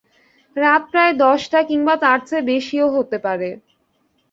রাত প্রায় দশটা কিংবা তার চেয়ে বেশিও হতে পারে।